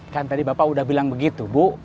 kan tadi bapak udah bilang begitu bu